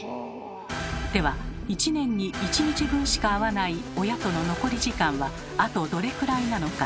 では１年に１日分しか会わない親との残り時間はあとどれくらいなのか。